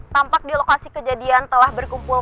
tampak di lokasi kejadian telah berkumpul